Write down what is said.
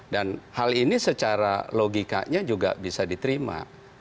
dan hal ini secara logikanya juga bisa diterima